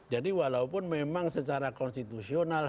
jadi walaupun memang secara konstitusional